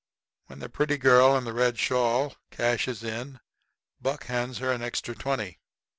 When the pretty girl in the red shawl cashes in Buck hands her an extra twenty.